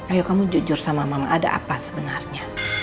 ayo kamu jujur sama mama ada apa sebenarnya